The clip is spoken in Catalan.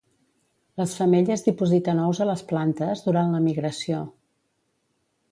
Les femelles dipositen ous a les plantes durant la migració.